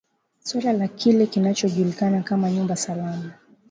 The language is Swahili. suala la kile kinachojulikana kama nyumba salama